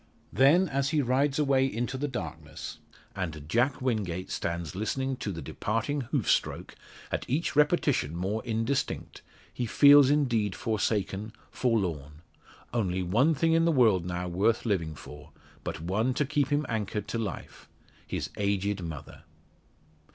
Then as he rides away into the darkness, and Jack Wingate stands listening to the departing hoof stroke, at each repetition more indistinct, he feels indeed forsaken, forlorn; only one thing in the world now worth living for but one to keep him anchored to life his aged mother!